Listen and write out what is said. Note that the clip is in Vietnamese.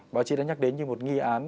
báo chí đã nhắc đến như một nghi án